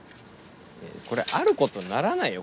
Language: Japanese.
いやこれあることにならないよ